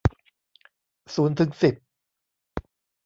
ศูนย์ถึงสิบ